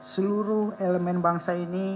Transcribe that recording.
seluruh elemen bangsa ini